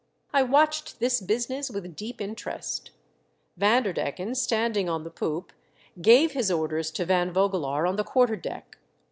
I watched this business with deep interest, Vanderdecken, standing on the poop, gave his orders to Van Vogelaar on the quarter deck.